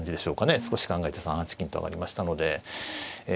少し考えて３八金と上がりましたのでええ